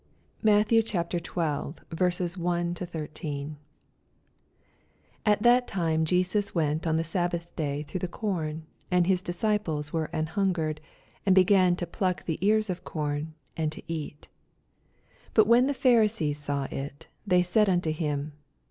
MATTHEW, CHAP. Xn. 121 MATTHEW XIL 1—18. 1 At that time Jesus went on the sabbath day through the com ; and his disciples were an haneered., and bei^Q to pluck the ears of com, and to eat. 2 But when the Pharisees saw it, thev said unto him.